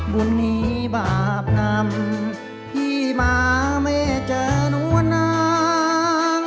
บุญนี้บาปนำที่มาไม่เจอหนัวน้ำ